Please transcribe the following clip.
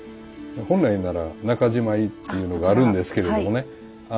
本来なら中じまいっていうのがあるんですけれどもね